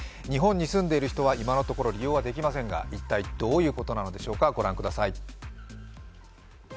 日本に住んでいる人は今のところ利用はできませんが、一体、どういうことなのでしょうか。